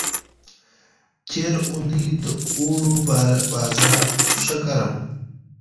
تېره اوونۍ د اوړو بازار ښه گرم و.